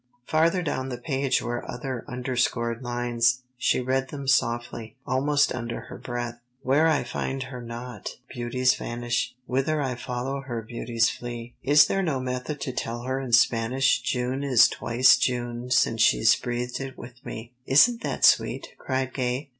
Farther down the page were other underscored lines. She read them softly, almost under her breath. "'Where I find her not, beauties vanish. Whither I follow her beauties flee. Is there no method to tell her in Spanish June is twice June since she's breathed it with me?'" "Isn't that sweet?" cried Gay.